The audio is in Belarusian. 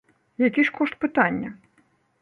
Які ж кошт пытання?